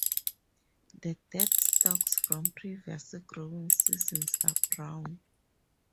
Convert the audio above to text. The dead stalks from previous growing seasons are brown.